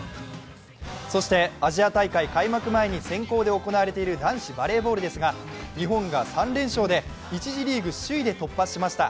アジア大会開幕前に先行で行われている男子バレーボールですが、日本が３連勝で１次リーグ首位でスタートしました。